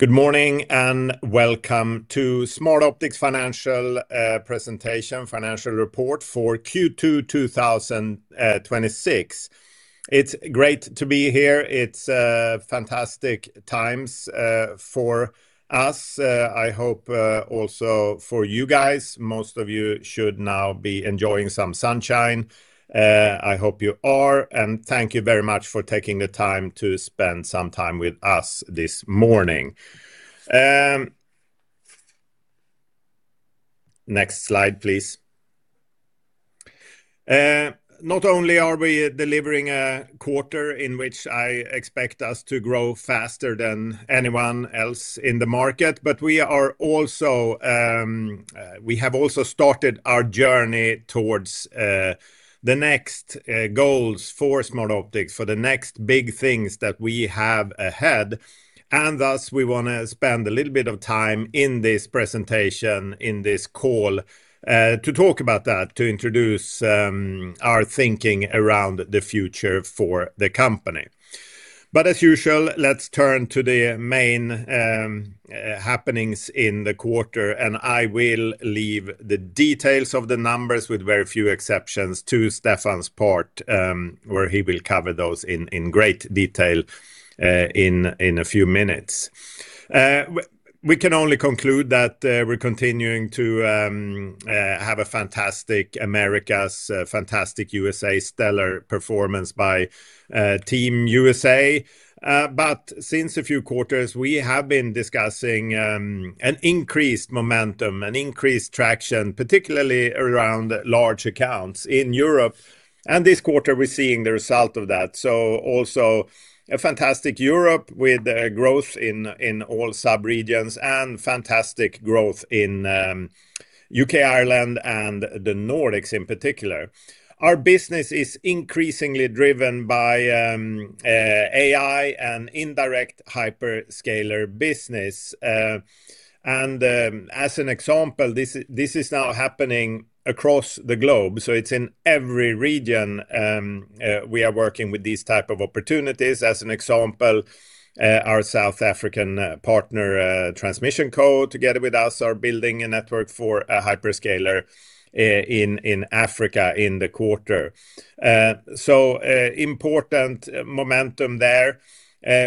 Good morning, and welcome to Smartoptics' financial presentation, financial report for Q2 2026. It's great to be here. It's fantastic times for us. I hope also for you guys. Most of you should now be enjoying some sunshine. I hope you are, and thank you very much for taking the time to spend some time with us this morning. Next slide, please. Not only are we delivering a quarter in which I expect us to grow faster than anyone else in the market, but we have also started our journey towards the next goals for Smartoptics, for the next big things that we have ahead. Thus, we want to spend a little bit of time in this presentation, in this call, to talk about that, to introduce our thinking around the future for the company. As usual, let's turn to the main happenings in the quarter, and I will leave the details of the numbers, with very few exceptions, to Stefan's part, where he will cover those in great detail in a few minutes. We can only conclude that we're continuing to have a fantastic Americas, fantastic USA, stellar performance by Team USA. Since a few quarters, we have been discussing an increased momentum, an increased traction, particularly around large accounts in Europe. This quarter, we're seeing the result of that. Also a fantastic Europe with growth in all sub-regions and fantastic growth in U.K., Ireland, and the Nordics in particular. Our business is increasingly driven by AI and indirect hyperscaler business. As an example, this is now happening across the globe, so it's in every region we are working with these type of opportunities. As an example, our South African partner, HardwareCo, together with us, are building a network for a hyperscaler in Africa in the quarter. Important momentum there.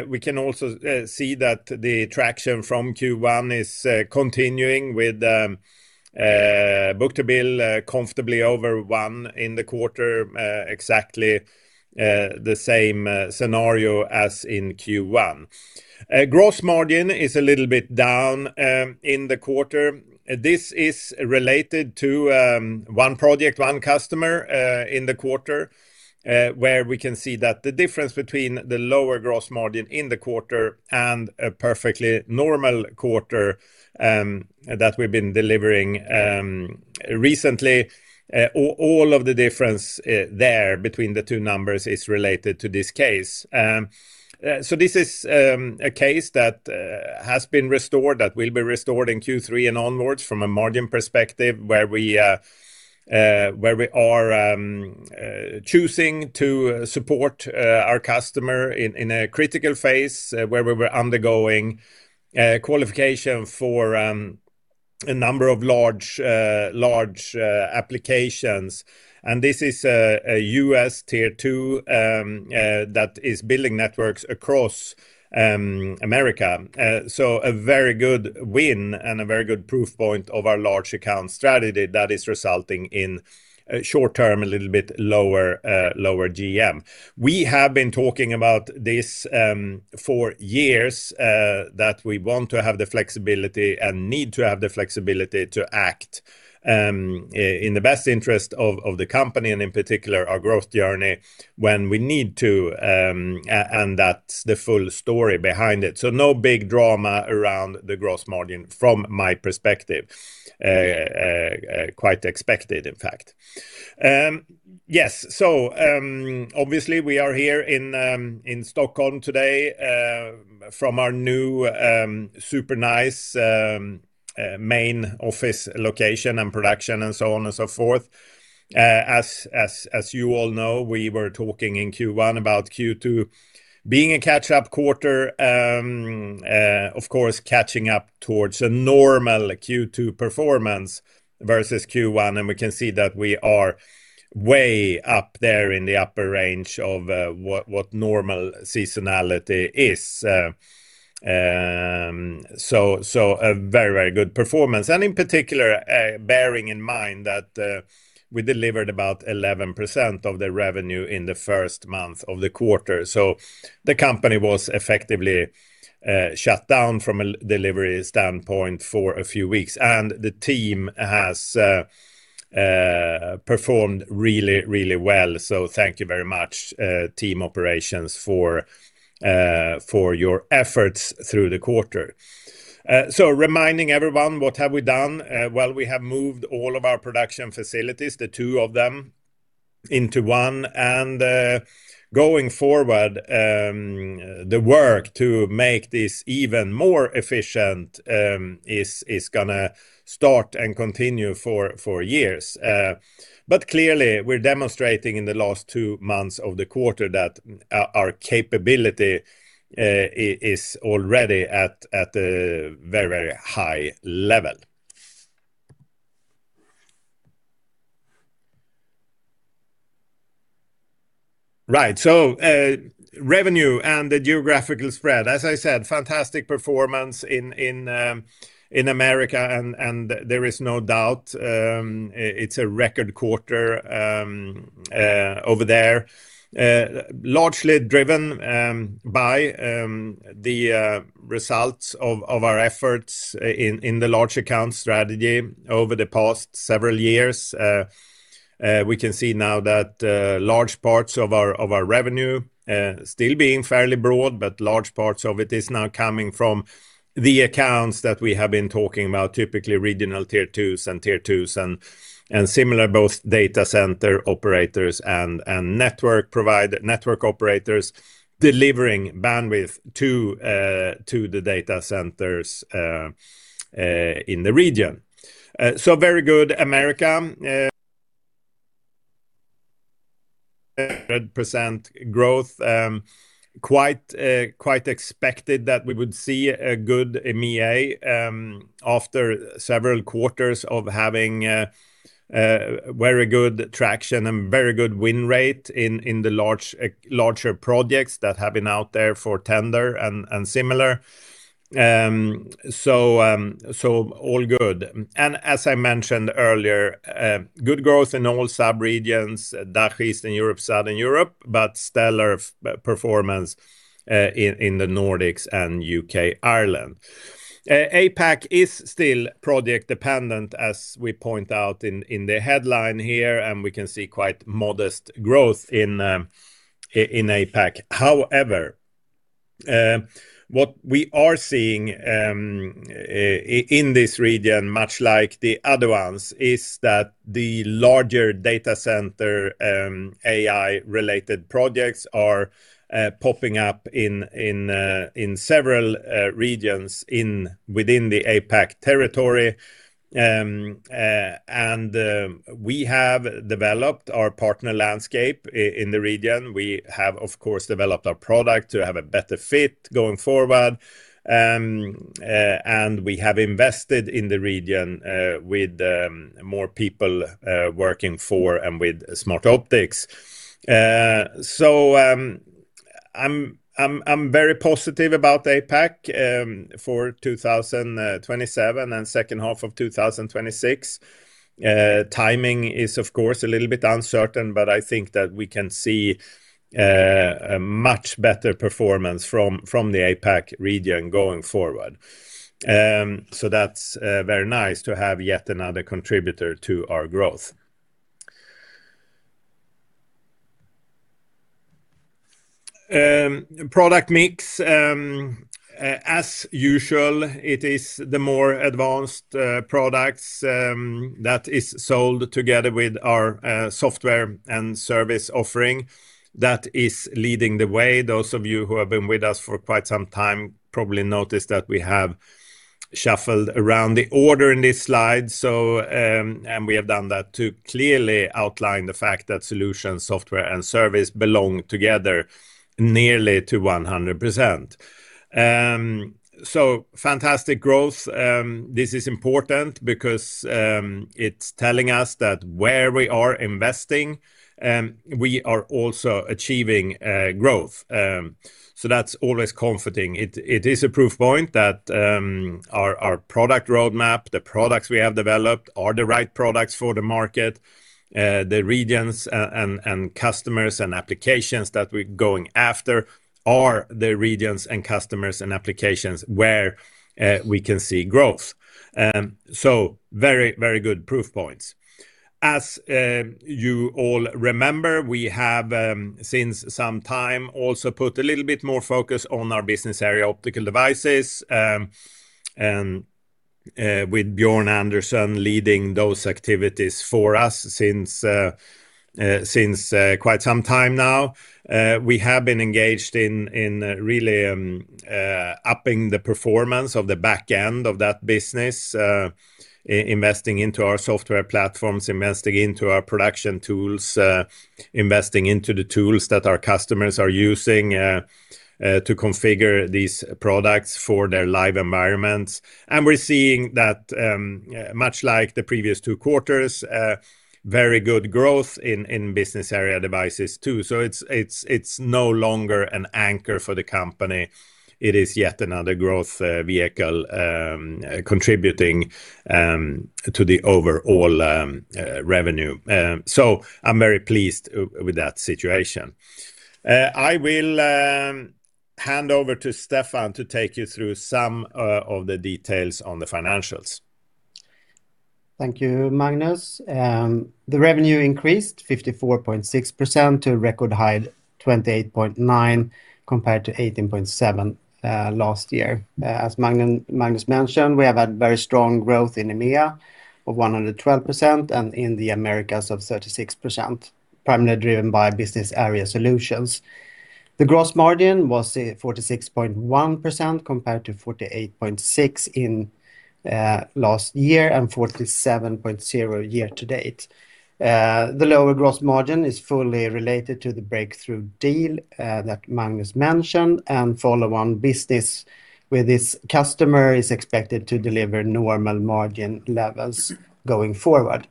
We can also see that the traction from Q1 is continuing with book-to-bill comfortably over one in the quarter, exactly the same scenario as in Q1. Gross margin is a little bit down in the quarter. This is related to one project, one customer in the quarter, where we can see that the difference between the lower gross margin in the quarter and a perfectly normal quarter that we've been delivering recently, all of the difference there between the two numbers is related to this case. This is a case that has been restored, that will be restored in Q3 and onwards from a margin perspective, where we are choosing to support our customer in a critical phase, where we were undergoing qualification for a number of large applications. This is a U.S. Tier 2 that is building networks across America. A very good win and a very good proof point of our large account strategy that is resulting in short-term, a little bit lower GM. We have been talking about this for years, that we want to have the flexibility and need to have the flexibility to act in the best interest of the company, and in particular, our growth journey when we need to, and that's the full story behind it. No big drama around the gross margin from my perspective. Quite expected, in fact. Yes. Obviously, we are here in Stockholm today from our new super nice main office location and production and so on and so forth. As you all know, we were talking in Q1 about Q2 being a catch-up quarter. Of course, catching up towards a normal Q2 performance versus Q1, and we can see that we are way up there in the upper range of what normal seasonality is. A very good performance. In particular, bearing in mind that we delivered about 11% of the revenue in the first month of the quarter. The company was effectively shut down from a delivery standpoint for a few weeks, and the team has performed really well. Thank you very much team operations for your efforts through the quarter. Reminding everyone, what have we done? We have moved all of our production facilities, the two of them into one. Going forward, the work to make this even more efficient is going to start and continue for years. Clearly, we're demonstrating in the last two months of the quarter that our capability is already at a very high level. Right. Revenue and the geographical spread, as I said, fantastic performance in America. There is no doubt it's a record quarter over there. Largely driven by the results of our efforts in the large account strategy over the past several years. We can see now that large parts of our revenue, still being fairly broad, but large parts of it is now coming from the accounts that we have been talking about, typically regional Tier 2s and Tier 2s and similar, both data center operators and network operators delivering bandwidth to the data centers in the region. Very good America percent growth. Quite expected that we would see a good EMEA after several quarters of having very good traction and very good win rate in the larger projects that have been out there for tender and similar. All good. As I mentioned earlier, good growth in all sub-regions, DACH, Eastern Europe, Southern Europe, but stellar performance in the Nordics and U.K., Ireland. APAC is still project-dependent, as we point out in the headline here, and we can see quite modest growth in APAC. However, what we are seeing in this region, much like the other ones, is that the larger data center, AI-related projects are popping up in several regions within the APAC territory. We have developed our partner landscape in the region. We have, of course, developed our product to have a better fit going forward. We have invested in the region with more people working for and with Smartoptics. I'm very positive about APAC for 2027 and second half of 2026. Timing is, of course, a little bit uncertain, but I think that we can see a much better performance from the APAC region going forward. That's very nice to have yet another contributor to our growth. Product mix. As usual, it is the more advanced products that is sold together with our software and service offering that is leading the way. Those of you who have been with us for quite some time probably noticed that we have shuffled around the order in this slide. We have done that to clearly outline the fact that Solutions, software, and service belong together nearly to 100%. Fantastic growth. This is important because it is telling us that where we are investing, we are also achieving growth. That is always comforting. It is a proof point that our product roadmap, the products we have developed are the right products for the market. The regions and customers and applications that we are going after are the regions and customers and applications where we can see growth. Very good proof points. As you all remember, we have since some time also put a little bit more focus on our business area optical devices, with Björn Andersson leading those activities for us since quite some time now. We have been engaged in really upping the performance of the back end of that business, investing into our software platforms, investing into our production tools, investing into the tools that our customers are using to configure these products for their live environments. We are seeing that much like the previous two quarters, very good growth in business area devices too. It is no longer an anchor for the company. It is yet another growth vehicle contributing to the overall revenue. I am very pleased with that situation. I will hand over to Stefan to take you through some of the details on the financials. Thank you, Magnus. The revenue increased 54.6% to a record high $28.9 million compared to $18.7 million last year. As Magnus mentioned, we have had very strong growth in EMEA of 112% and in the Americas of 36%, primarily driven by business area Solutions. The gross margin was 46.1% compared to 48.6% last year and 47.0% year to date. The lower gross margin is fully related to the breakthrough deal that Magnus mentioned and follow-on business with this customer is expected to deliver normal margin levels going forward.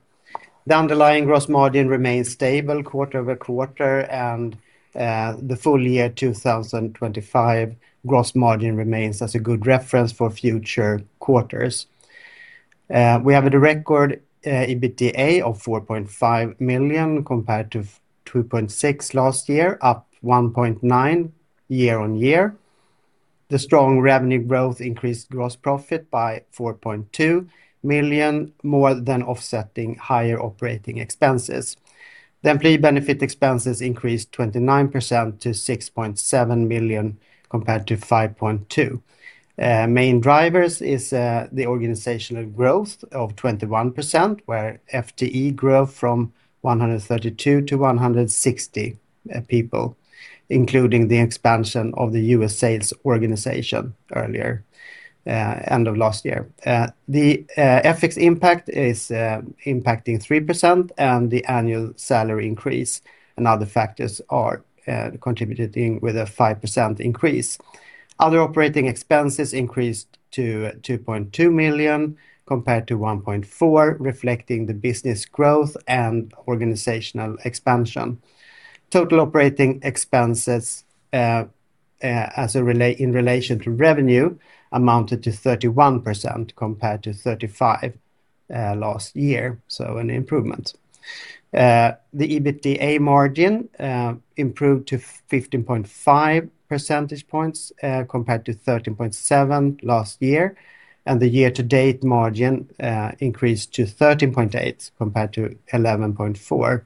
The underlying gross margin remains stable quarter-over-quarter and the full year 2025 gross margin remains as a good reference for future quarters. We have a record EBITDA of $4.5 million compared to$2.6 million last year, up $1.9 million year-on-year. The strong revenue growth increased gross profit by $4.2 million, more than offsetting higher operating expenses. The employee benefit expenses increased 29% to $6.7 million compared to $5.2 million. Main drivers is the organizational growth of 21%, where FTE grew from 132 to 160 people, including the expansion of the U.S. sales organization earlier end of last year. The FX impact is impacting 3% and the annual salary increase and other factors are contributing with a 5% increase. Other operating expenses increased to $2.2 million compared to $1.4 million, reflecting the business growth and organizational expansion. Total operating expenses in relation to revenue amounted to 31% compared to 35% last year. An improvement. The EBITDA margin improved to 15.5 percentage points compared to 13.7% last year. The year-to-date margin increased to 13.8% compared to 11.4%.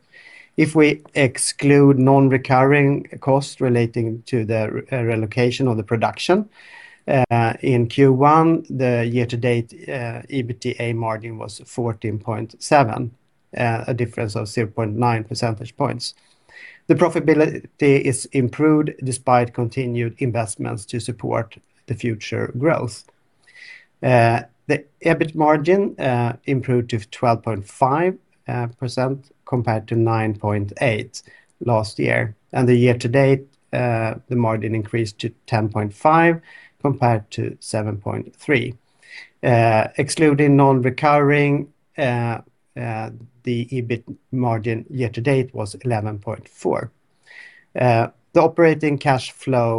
If we exclude non-recurring costs relating to the relocation of the production in Q1, the year-to-date EBITDA margin was 14.7%, a difference of 0.9 percentage points. The profitability is improved despite continued investments to support the future growth. The EBIT margin improved to 12.5% compared to 9.8% last year. The year to date, the margin increased to 10.5% compared to 7.3%. Excluding non-recurring, the EBIT margin year to date was 11.4%. The operating cash flow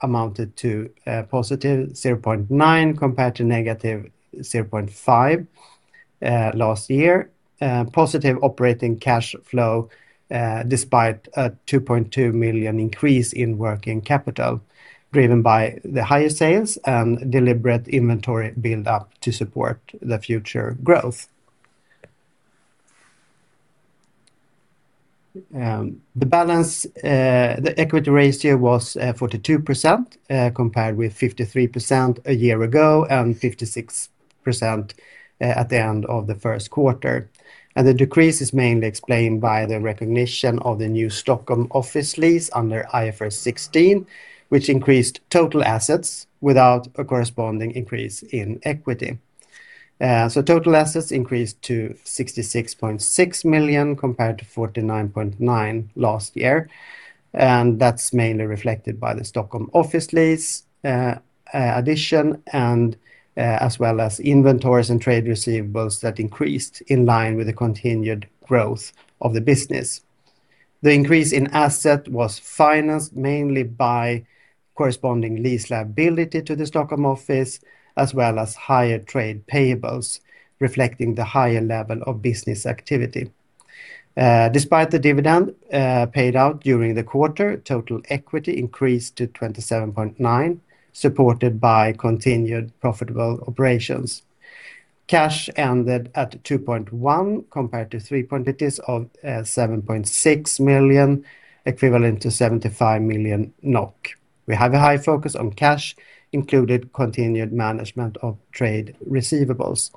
amounted to +$0.9 million compared to -$0.5 million last year. Positive operating cash flow despite a $2.2 million increase in working capital, driven by the higher sales and deliberate inventory build-up to support the future growth. The equity ratio was 42% compared with 53% a year ago and 56% at the end of the first quarter. The decrease is mainly explained by the recognition of the new Stockholm office lease under IFRS 16, which increased total assets without a corresponding increase in equity. Total assets increased to $66.6 million compared to $49.9 million last year. That's mainly reflected by the Stockholm office lease addition as well as inventories and trade receivables that increased in line with the continued growth of the business. The increase in asset was financed mainly by corresponding lease liability to the Stockholm office, as well as higher trade payables, reflecting the higher level of business activity. Despite the dividend paid out during the quarter, total equity increased to $27.9 million, supported by continued profitable operations. Cash ended at $2.1 million compared to $3 million. It is of $7.6 million, equivalent to 75 million NOK. We have a high focus on cash, including continued management of trade receivables.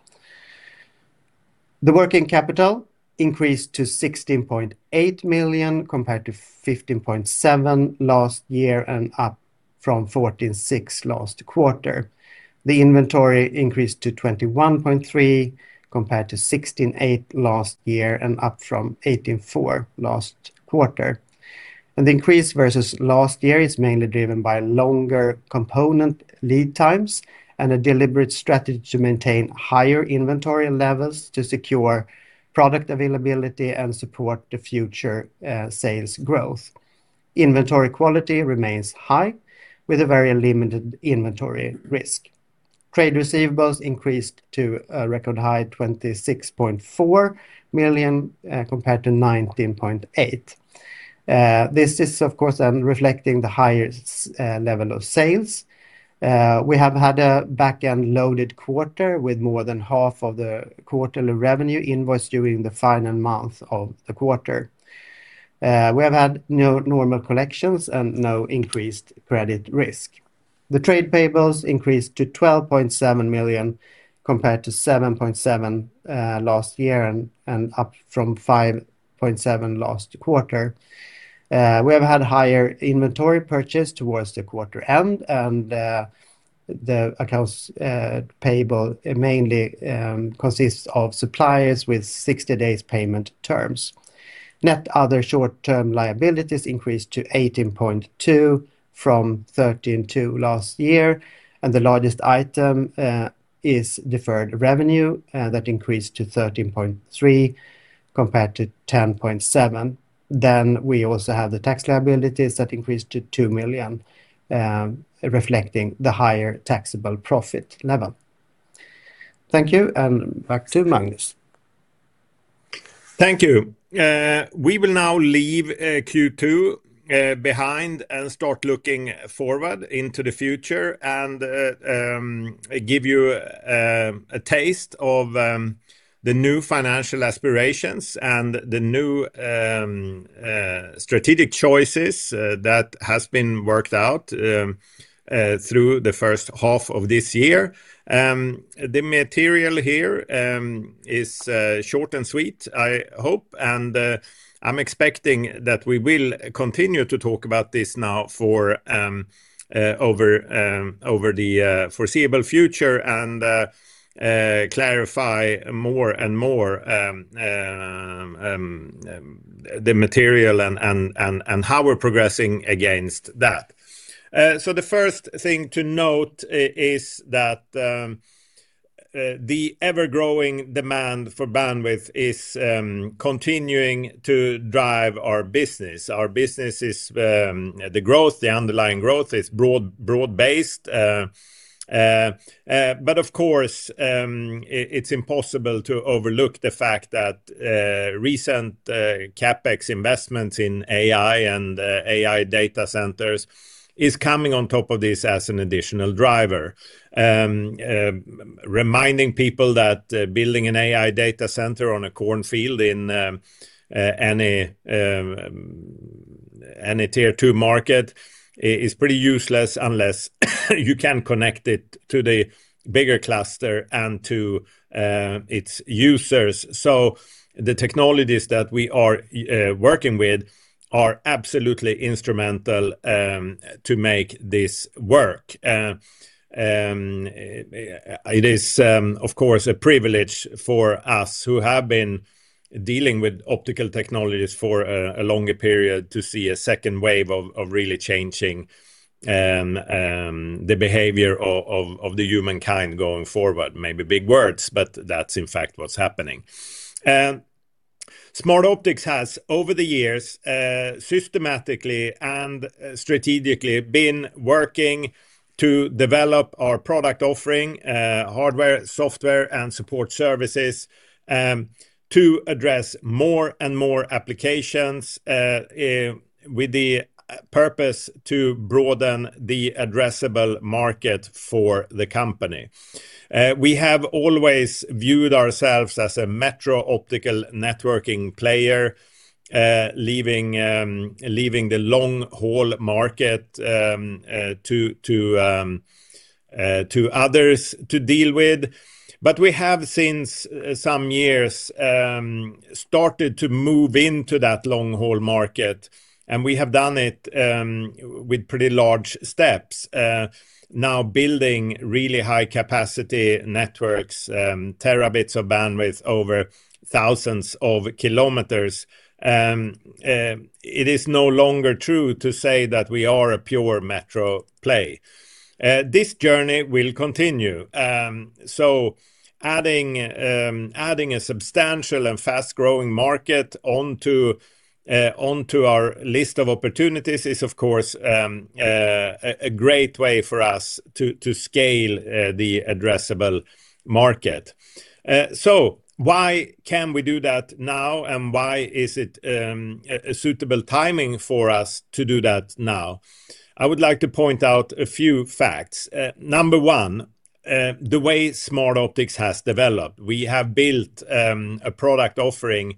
The working capital increased to $16.8 million compared to $15.7 million last year and up from $14.6 million last quarter. The inventory increased to $21.3 million compared to $16.8 million last year and up from $18.4 million last quarter. The increase versus last year is mainly driven by longer component lead times and a deliberate strategy to maintain higher inventory levels to secure product availability and support the future sales growth. Inventory quality remains high, with a very limited inventory risk. Trade receivables increased to a record high $26.4 million compared to $19.8 million. This is, of course, reflecting the highest level of sales. We have had a back-end loaded quarter with more than half of the quarterly revenue invoiced during the final month of the quarter. We have had no normal collections and no increased credit risk. The trade payables increased to $12.7 million compared to $7.7 million last year and up from $5.7 million last quarter. We have had higher inventory purchase towards the quarter end. The accounts payable mainly consists of suppliers with 60 days payment terms. Net other short-term liabilities increased to $18.2 million from $13.2 million last year. The largest item is deferred revenue that increased to $13.3 million compared to $10.7 million. We also have the tax liabilities that increased to $2 million, reflecting the higher taxable profit level. Thank you. Back to Magnus. Thank you. We will now leave Q2 behind and start looking forward into the future and give you a taste of the new financial aspirations and the new strategic choices that has been worked out through the first half of this year. The material here is short and sweet, I hope, and I'm expecting that we will continue to talk about this now over the foreseeable future and clarify more and more the material and how we're progressing against that. The first thing to note is that the ever-growing demand for bandwidth is continuing to drive our business. Our business is the growth, the underlying growth is broad-based. Of course, it's impossible to overlook the fact that recent CapEx investments in AI and AI data centers is coming on top of this as an additional driver. Reminding people that building an AI data center on a corn field in any Tier 2 market is pretty useless unless you can connect it to the bigger cluster and to its users. The technologies that we are working with are absolutely instrumental to make this work. It is, of course, a privilege for us who have been dealing with optical technologies for a longer period to see a second wave of really changing the behavior of the humankind going forward. Maybe big words, but that's in fact what's happening. Smartoptics Group has, over the years, systematically and strategically been working to develop our product offering hardware, software, and support services to address more and more applications with the purpose to broaden the addressable market for the company. We have always viewed ourselves as a metro optical networking player leaving the long-haul market to others to deal with. We have since some years started to move into that long-haul market, and we have done it with pretty large steps. Now building really high-capacity networks, terabits of bandwidth over thousands of kilometers. It is no longer true to say that we are a pure metro play. This journey will continue. Adding a substantial and fast-growing market onto our list of opportunities is, of course, a great way for us to scale the addressable market. Why can we do that now, and why is it a suitable timing for us to do that now? I would like to point out a few facts. Number one, the way Smartoptics Group has developed. We have built a product offering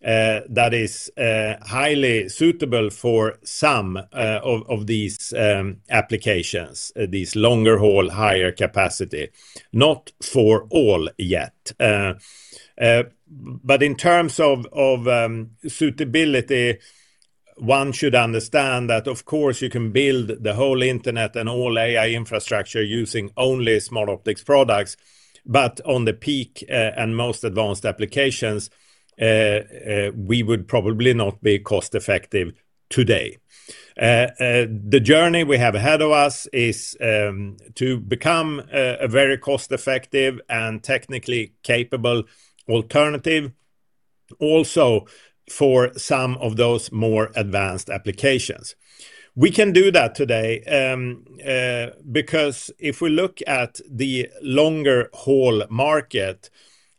that is highly suitable for some of these applications, these longer-haul, higher capacity, not for all yet. In terms of suitability, one should understand that of course you can build the whole internet and all AI infrastructure using only Smartoptics Group products, but on the peak and most advanced applications we would probably not be cost-effective today. The journey we have ahead of us is to become a very cost-effective and technically capable alternative also for some of those more advanced applications. We can do that today because if we look at the longer-haul market,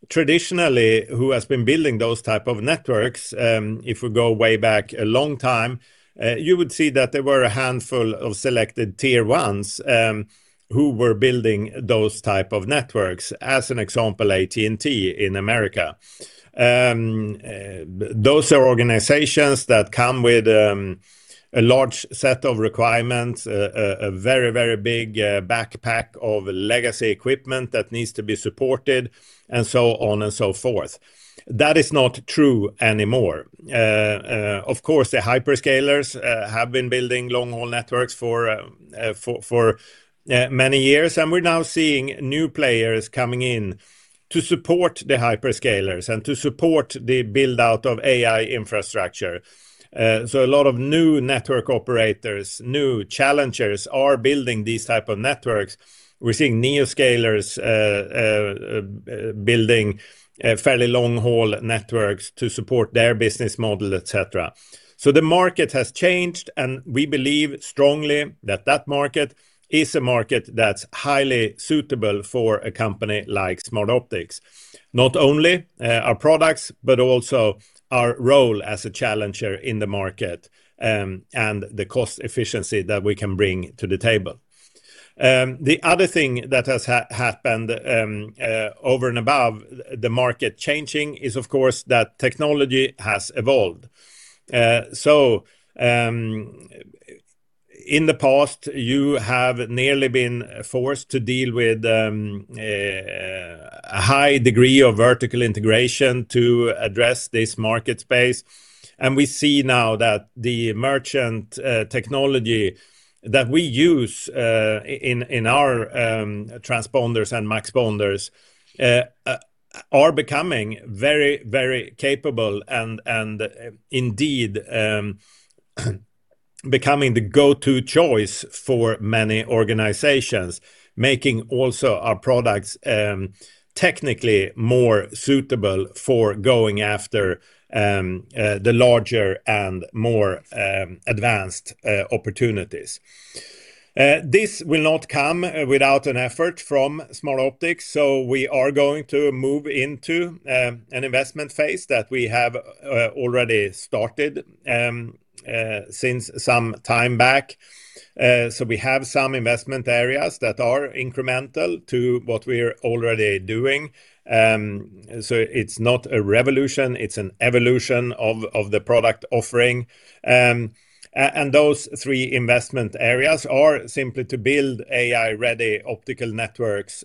traditionally, who has been building those type of networks if we go way back a long time you would see that there were a handful of selected Tier 1s who were building those type of networks, as an example, AT&T in America. Those are organizations that come with a large set of requirements a very big backpack of legacy equipment that needs to be supported, and so on and so forth. That is not true anymore. Of course, the hyperscalers have been building long-haul networks for many years, we're now seeing new players coming in to support the hyperscalers and to support the build-out of AI infrastructure. A lot of new network operators, new challengers are building these type of networks. We're seeing neoscalers building fairly long-haul networks to support their business model, et cetera. The market has changed, and we believe strongly that that market is a market that's highly suitable for a company like Smartoptics Group. Not only our products, but also our role as a challenger in the market, and the cost efficiency that we can bring to the table. The other thing that has happened over and above the market changing is, of course, that technology has evolved. In the past, you have nearly been forced to deal with a high degree of vertical integration to address this market space. We see now that the merchant technology that we use in our transponders and muxponders are becoming very capable and indeed, becoming the go-to choice for many organizations, making also our products technically more suitable for going after the larger and more advanced opportunities. This will not come without an effort from Smartoptics Group, so we are going to move into an investment phase that we have already started since some time back. We have some investment areas that are incremental to what we're already doing. It's not a revolution, it's an evolution of the product offering. Those three investment areas are simply to build AI-ready optical networks,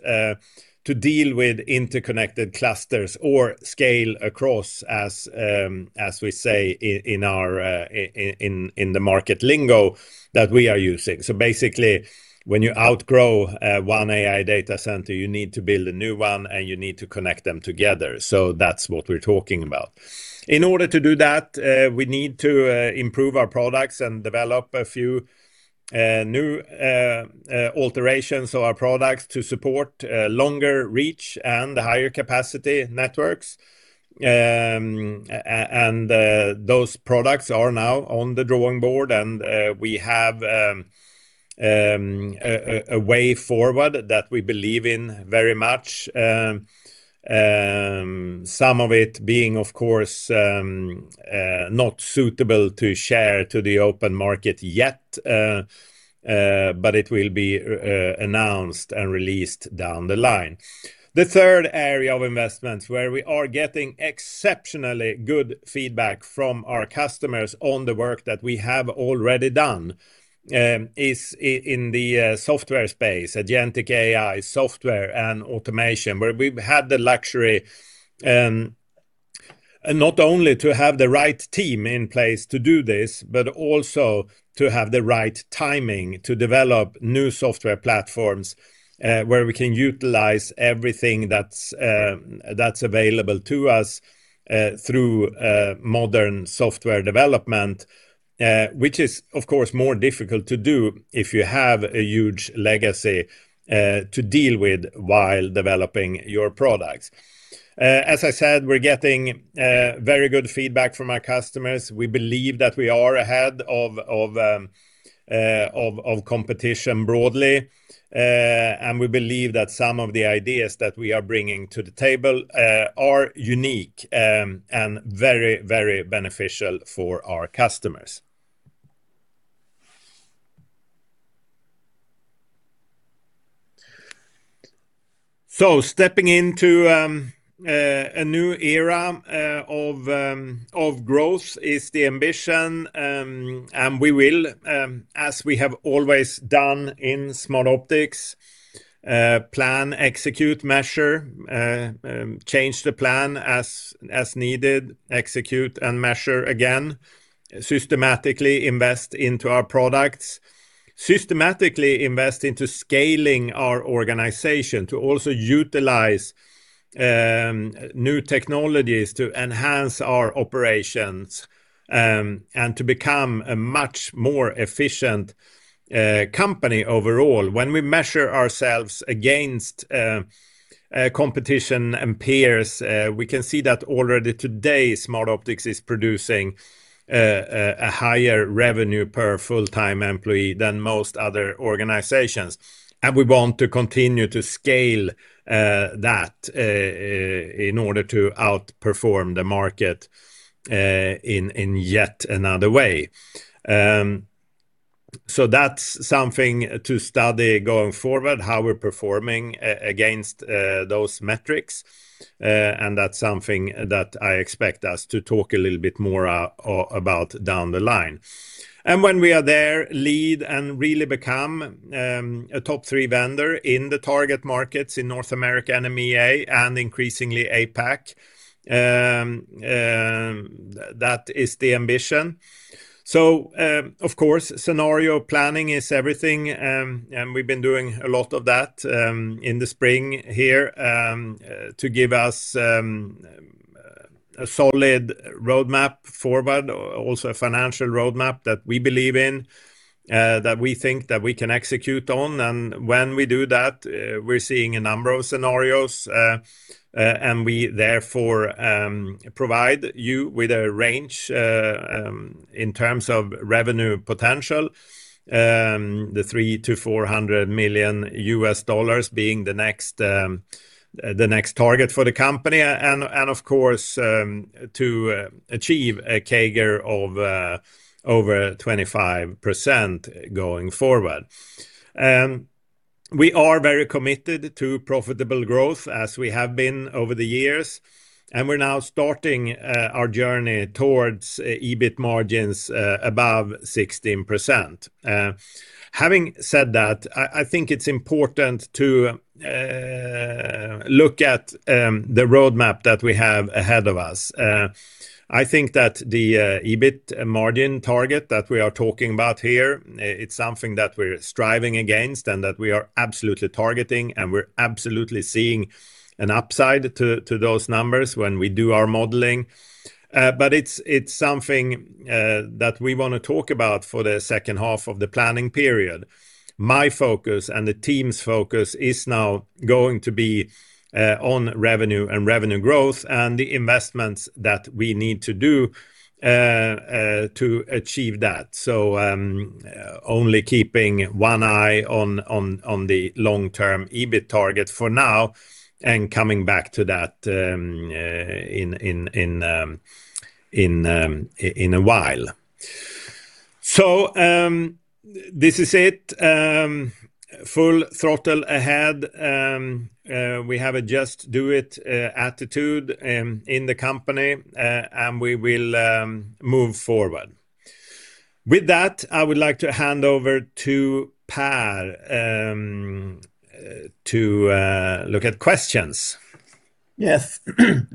to deal with interconnected clusters or scale-across, as we say in the market lingo that we are using. Basically, when you outgrow one AI data center, you need to build a new one, and you need to connect them together. That's what we're talking about. In order to do that, we need to improve our products and develop a few new alterations of our products to support longer reach and higher capacity networks. Those products are now on the drawing board, and we have a way forward that we believe in very much. Some of it being, of course, not suitable to share to the open market yet, but it will be announced and released down the line. The third area of investments, where we are getting exceptionally good feedback from our customers on the work that we have already done, is in the software space, agentic AI software and automation, where we've had the luxury not only to have the right team in place to do this, but also to have the right timing to develop new software platforms where we can utilize everything that's available to us through modern software development, which is, of course, more difficult to do if you have a huge legacy to deal with while developing your products. As I said, we're getting very good feedback from our customers. We believe that we are ahead of competition broadly. We believe that some of the ideas that we are bringing to the table are unique and very beneficial for our customers. Stepping into a new era of growth is the ambition, we will, as we have always done in Smartoptics Group, plan, execute, measure, change the plan as needed, execute, and measure again, systematically invest into our products, systematically invest into scaling our organization to also utilize new technologies to enhance our operations, and to become a much more efficient company overall. When we measure ourselves against competition and peers, we can see that already today, Smartoptics Group is producing a higher revenue per full-time employee than most other organizations. We want to continue to scale that in order to outperform the market in yet another way. That's something to study going forward, how we're performing against those metrics, and that's something that I expect us to talk a little bit more about down the line. When we are there, lead and really become a top-three vendor in the target markets in North America and EMEA and increasingly APAC. That is the ambition. Of course, scenario planning is everything, we've been doing a lot of that in the spring here to give us a solid roadmap forward, also a financial roadmap that we believe in, that we think that we can execute on. When we do that, we're seeing a number of scenarios, and we therefore provide you with a range in terms of revenue potential, the $300 million-$400 million being the next target for the company. And of course, to achieve a CAGR of over 25% going forward. We are very committed to profitable growth as we have been over the years, and we're now starting our journey towards EBIT margins above 16%. Having said that, I think it's important to look at the roadmap that we have ahead of us. I think that the EBIT margin target that we are talking about here, it's something that we're striving against and that we are absolutely targeting, and we're absolutely seeing an upside to those numbers when we do our modeling. It's something that we want to talk about for the second half of the planning period. My focus and the team's focus is now going to be on revenue and revenue growth and the investments that we need to do to achieve that. Only keeping one eye on the long-term EBIT target for now and coming back to that in a while. This is it. Full throttle ahead. We have a just do it attitude in the company, we will move forward. With that, I would like to hand over to Per to look at questions. Yes.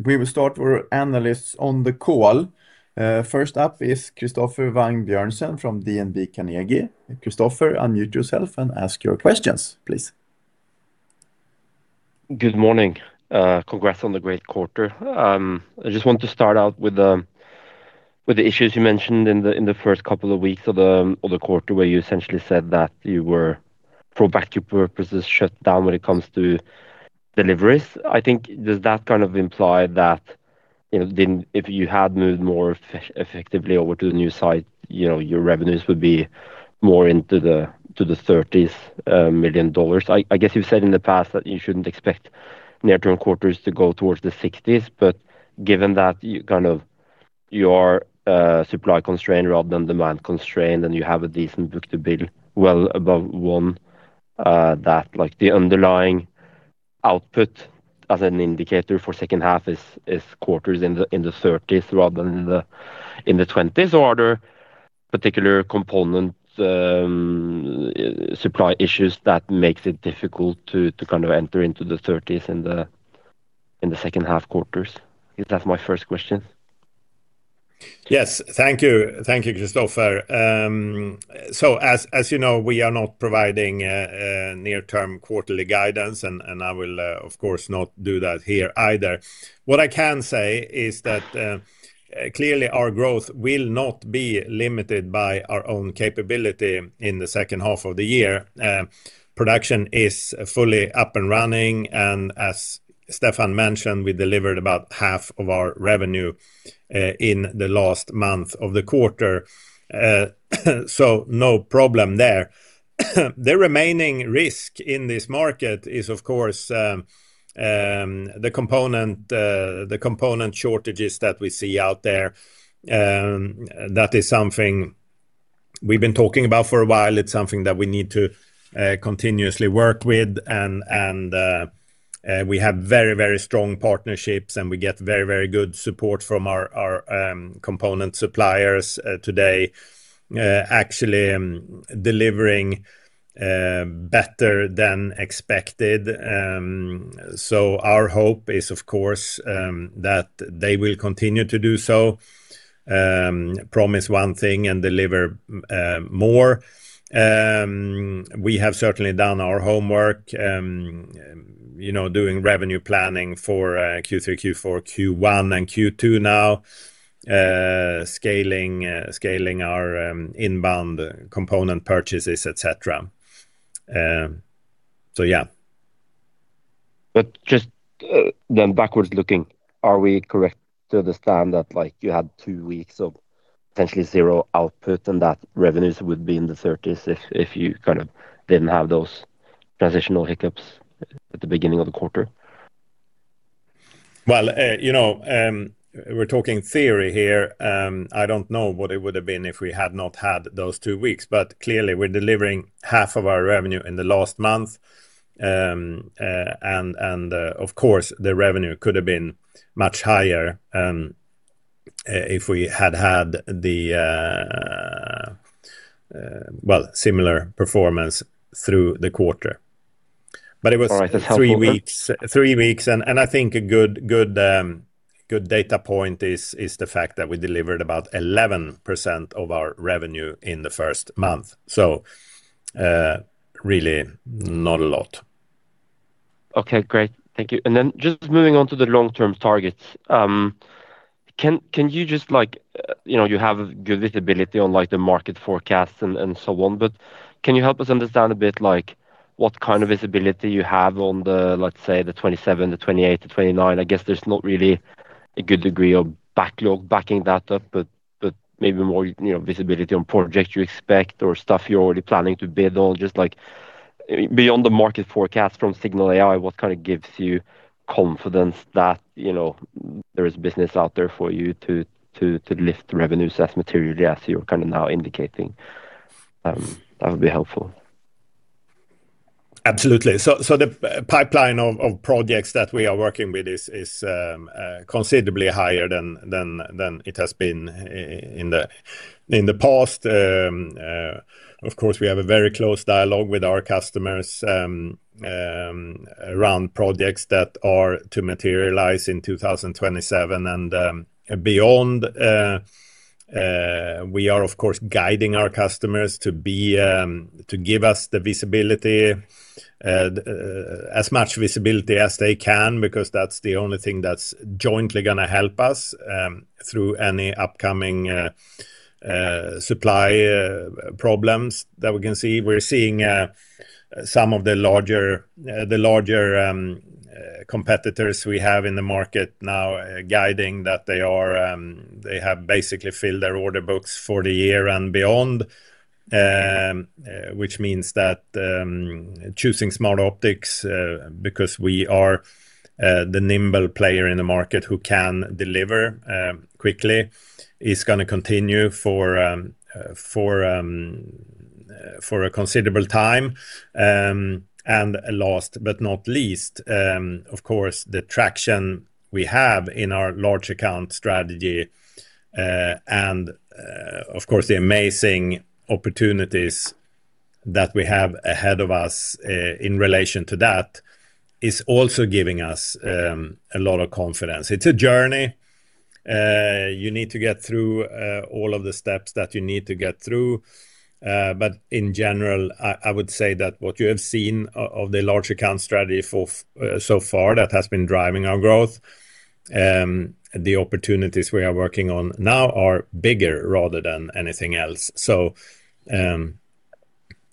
We will start with our analysts on the call. First up is Christoffer Wang Bjørnsen from DNB Carnegie. Christoffer, unmute yourself and ask your questions, please. Good morning. Congrats on the great quarter. I just want to start out with the issues you mentioned in the first couple of weeks of the quarter, where you essentially said that you were, for battery purposes, shut down when it comes to deliveries. I think, does that kind of imply that if you had moved more effectively over to the new site, your revenues would be more into the $30 million? I guess you've said in the past that you shouldn't expect near-term quarters to go towards the 60s. Given that you are supply constrained rather than demand constrained, and you have a decent book-to-bill well above one, that the underlying output as an indicator for second half is quarters in the 30s rather than in the 20s. Are there particular component supply issues that makes it difficult to enter into the 30s in the second half quarters? That's my first question? Yes. Thank you, Christoffer. As you know, we are not providing near-term quarterly guidance, and I will, of course, not do that here either. What I can say is that clearly our growth will not be limited by our own capability in the second half of the year. Production is fully up and running, and as Stefan mentioned, we delivered about half of our revenue in the last month of the quarter. No problem there. The remaining risk in this market is, of course, the component shortages that we see out there. That is something we've been talking about for a while. It's something that we need to continuously work with, and we have very strong partnerships, and we get very good support from our component suppliers today, actually delivering better than expected. Our hope is, of course, that they will continue to do so, promise one thing and deliver more. We have certainly done our homework, doing revenue planning for Q3, Q4, Q1, and Q2 now, scaling our inbound component purchases, et cetera. Yeah. Just then backwards looking, are we correct to understand that you had two weeks of potentially zero output and that revenues would be in the 30s if you didn't have those transitional hiccups at the beginning of the quarter? Well, we're talking theory here. I don't know what it would've been if we had not had those two weeks, but clearly we're delivering half of our revenue in the last month. Of course, the revenue could have been much higher if we had the similar performance through the quarter. All right. That's helpful Three weeks. I think a good data point is the fact that we delivered about 11% of our revenue in the first month. Really not a lot. Okay, great. Thank you. Just moving on to the long-term targets. You have good visibility on the market forecast and so on, but can you help us understand a bit what kind of visibility you have on, let's say, the 2027, the 2028, the 2029? I guess there's not really a good degree of backlog backing data, but maybe more visibility on projects you expect or stuff you're already planning to bid on, just beyond the market forecast from Cignal AI, what gives you confidence that there is business out there for you to lift the revenues as materially as you're now indicating? That would be helpful. Absolutely. The pipeline of projects that we are working with is considerably higher than it has been in the past. Of course, we have a very close dialogue with our customers around projects that are to materialize in 2027 and beyond. We are, of course, guiding our customers to give us as much visibility as they can, because that's the only thing that's jointly going to help us through any upcoming supply problems that we can see. We're seeing some of the larger competitors we have in the market now guiding that they have basically filled their order books for the year and beyond, which means that choosing Smartoptics Group, because we are the nimble player in the market who can deliver quickly, is going to continue for a considerable time. Last but not least, of course, the traction we have in our large account strategy and, of course, the amazing opportunities that we have ahead of us in relation to that is also giving us a lot of confidence. It's a journey. You need to get through all of the steps that you need to get through. In general, I would say that what you have seen of the large account strategy so far that has been driving our growth, the opportunities we are working on now are bigger rather than anything else.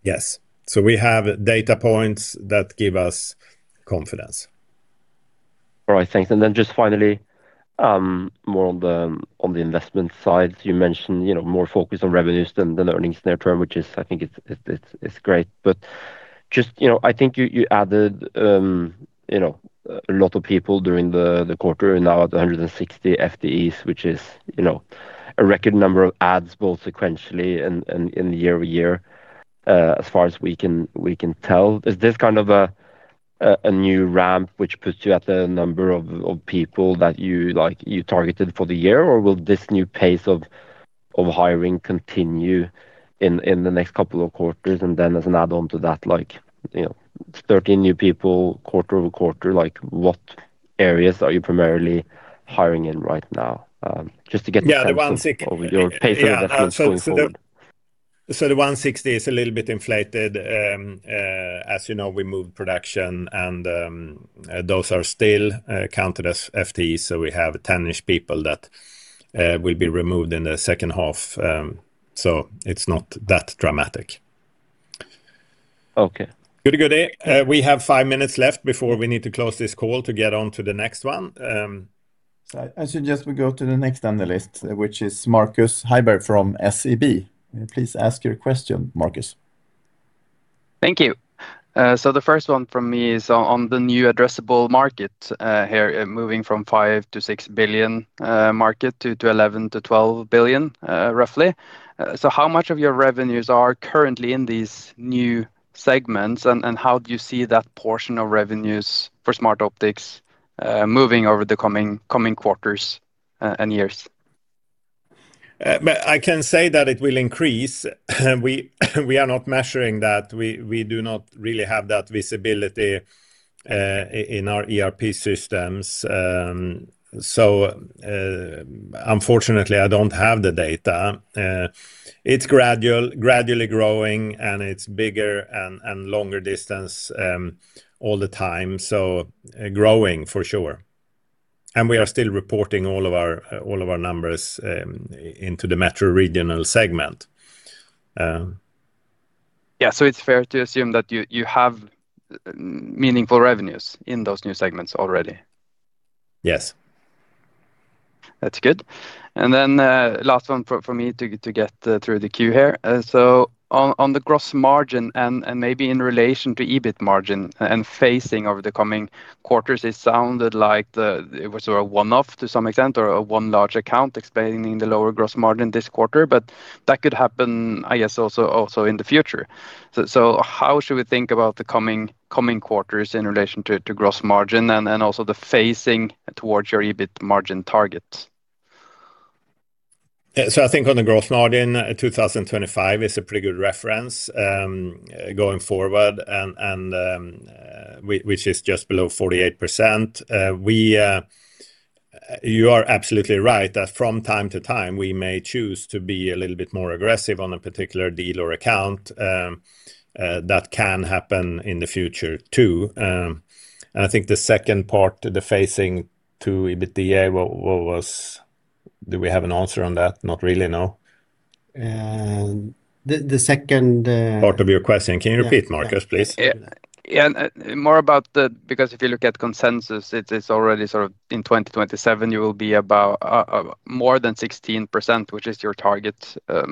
Yes. We have data points that give us confidence. All right. Thanks. Just finally, more on the investment side. You mentioned more focus on revenues than earnings near term, which is, I think, great. Just, I think you added a lot of people during the quarter and now at 160 FTEs, which is a record number of adds both sequentially and in the year-over-year, as far as we can tell. Is this kind of a new ramp which puts you at the number of people that you targeted for the year, or will this new pace of hiring continue in the next couple of quarters? As an add-on to that, 13 new people quarter-over-quarter, what areas are you primarily hiring in right now? Just to get the sense. Yeah. Of your pace of investment going forward. The 160 is a little bit inflated. As you know, we moved production and those are still counted as FTEs, so we have 10-ish people that will be removed in the second half. It's not that dramatic. Okay. Good day. We have five minutes left before we need to close this call to get on to the next one. I suggest we go to the next on the list, which is Markus Heiberg from SEB. Please ask your question, Markus. Thank you. The first one from me is on the new addressable market here, moving from 5 billion to 6 billion market to 11 billion to 12 billion, roughly. How much of your revenues are currently in these new segments, and how do you see that portion of revenues for Smartoptics Group moving over the coming quarters and years? I can say that it will increase. We are not measuring that. We do not really have that visibility in our ERP systems. Unfortunately, I don't have the data. It's gradually growing and it's bigger and longer distance all the time. Growing for sure. We are still reporting all of our numbers into the metro regional segment. Yeah. It's fair to assume that you have meaningful revenues in those new segments already? Yes. That's good. Last one for me to get through the queue here. On the gross margin and maybe in relation to EBIT margin and phasing over the coming quarters, it sounded like it was a one-off to some extent, or a one large account explaining the lower gross margin this quarter, but that could happen, I guess, also in the future. How should we think about the coming quarters in relation to gross margin and also the phasing towards your EBIT margin target? I think on the gross margin, 2025 is a pretty good reference going forward, which is just below 48%. You are absolutely right that from time to time, we may choose to be a little bit more aggressive on a particular deal or account. That can happen in the future, too. I think the second part, the phasing to EBITDA, do we have an answer on that? Not really, no. The second- Part of your question. Can you repeat, Markus, please? Yeah. More about. If you look at consensus, it's already in 2027, you will be about more than 16%, which is your target. Do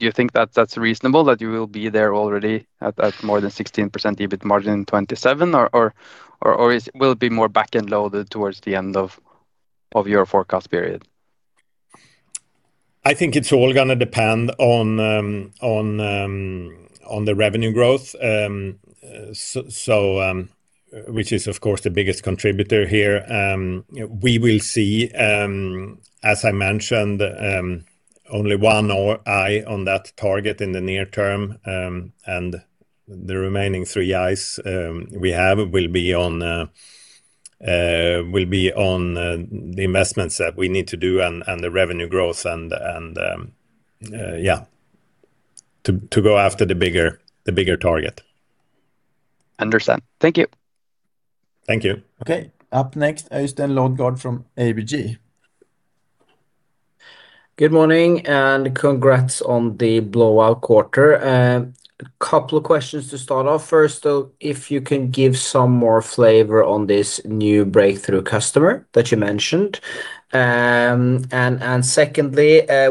you think that's reasonable, that you will be there already at more than 16% EBIT margin in 2027? Or will it be more backend loaded towards the end of your forecast period? I think it's all going to depend on the revenue growth, which is, of course, the biggest contributor here. We will see, as I mentioned, only one eye on that target in the near term. The remaining three eyes we have will be on the investments that we need to do and the revenue growth, and yeah, to go after the bigger target. Understand. Thank you. Thank you. Up next, Øystein Lodgaard from ABG. Good morning. Congrats on the blowout quarter. A couple of questions to start off. First, if you can give some more flavor on this new breakthrough customer that you mentioned. Secondly,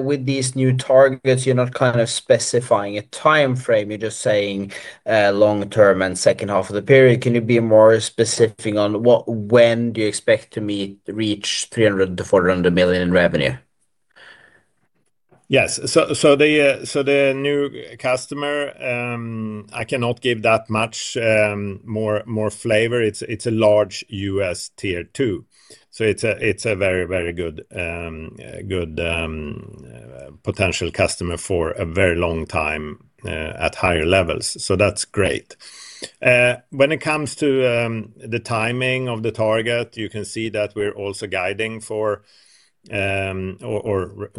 with these new targets, you're not specifying a timeframe. You're just saying long-term and second half of the period. Can you be more specific on when do you expect to reach $300 million-$400 million in revenue? Yes. The new customer, I cannot give that much more flavor. It's a large U.S. Tier 2. It's a very good potential customer for a very long time at higher levels. That's great. When it comes to the timing of the target, you can see that we're also guiding for, or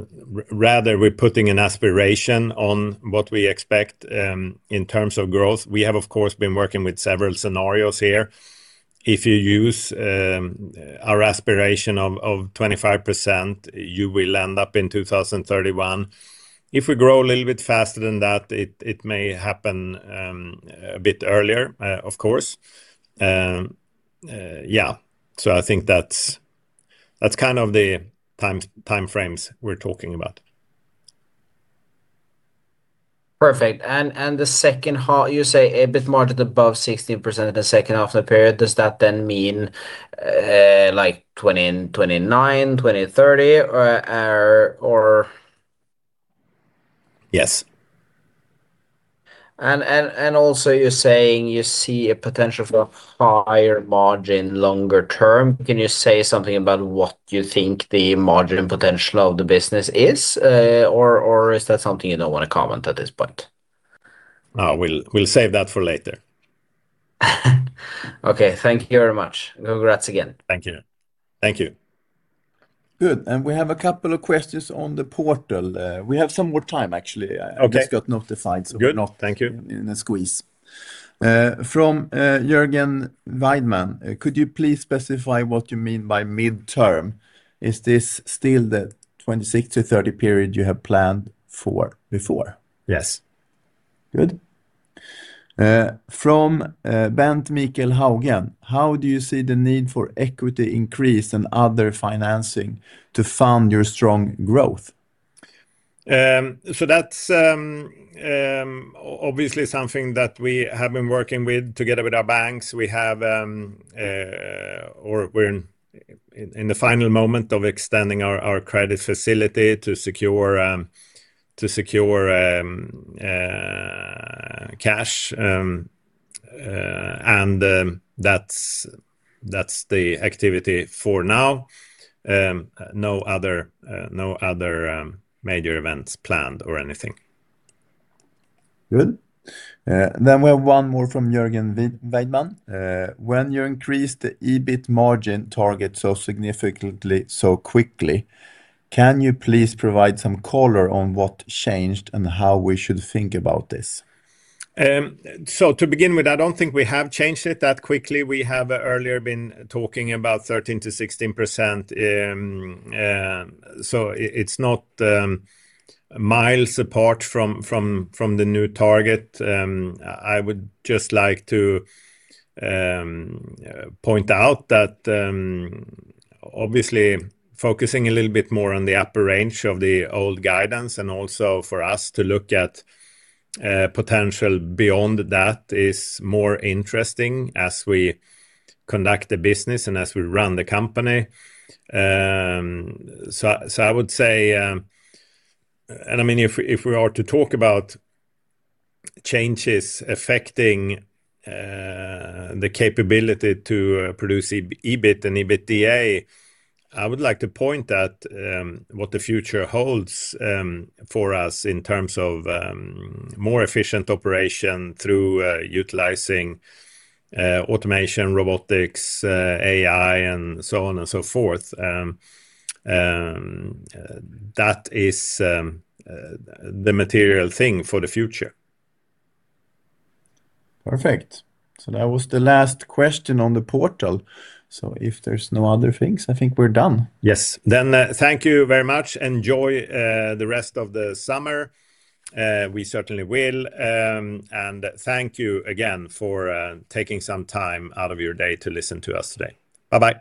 rather, we're putting an aspiration on what we expect in terms of growth. We have, of course, been working with several scenarios here. If you use our aspiration of 25%, you will end up in 2031. If we grow a little bit faster than that, it may happen a bit earlier, of course. Yeah. I think that's the timeframes we're talking about. Perfect. The second half, you say an EBIT margin above 16% in the second half of the period. Does that mean like 2029, 2030, or? Yes. Also, you're saying you see a potential for higher margin longer term. Can you say something about what you think the margin potential of the business is? Is that something you don't want to comment at this point? No, we'll save that for later. Okay. Thank you very much. Congrats again. Thank you Good. We have a couple of questions on the portal. We have some more time, actually. Okay. I just got notified. Good. Thank you. We're not in a squeeze. From Jörgen Weidmann: Could you please specify what you mean by midterm? Is this still the 2026-2030 period you have planned for before? Yes. Good. From Bent Mikael Haugan: How do you see the need for equity increase and other financing to fund your strong growth? That's obviously something that we have been working with together with our banks. We're in the final moment of extending our credit facility to secure cash. That's the activity for now. No other major events planned or anything. Good. We have one more from Jörgen Weidmann: When you increase the EBIT margin target so significantly, so quickly, can you please provide some color on what changed and how we should think about this? To begin with, I don't think we have changed it that quickly. We have earlier been talking about 13%-16%. It's not miles apart from the new target. I would just like to point out that, obviously, focusing a little bit more on the upper range of the old guidance and also for us to look at potential beyond that is more interesting as we conduct the business and as we run the company. I would say, and if we are to talk about changes affecting the capability to produce EBIT and EBITDA, I would like to point at what the future holds for us in terms of more efficient operation through utilizing automation, robotics, AI, and so on and so forth. That is the material thing for the future. Perfect. That was the last question on the portal. If there's no other things, I think we're done. Yes. Thank you very much. Enjoy the rest of the summer. We certainly will. Thank you again for taking some time out of your day to listen to us today. Bye-bye.